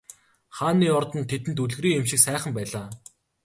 Хааны ордон тэдэнд үлгэрийн юм шиг сайхан байлаа.